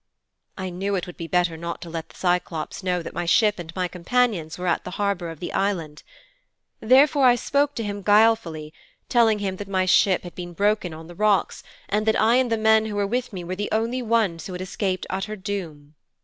"' 'I knew it would be better not to let the Cyclops know that my ship and my companions were at the harbour of the island. Therefore I spoke to him guilefully, telling him that my ship had been broken on the rocks, and that I and the men with me were the only ones who had escaped utter doom.'